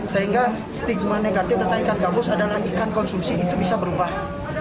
sehingga stigma negatif tentang ikan gabus adalah ikan konsumsi itu bisa berubah